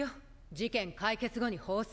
事件解決後に放送。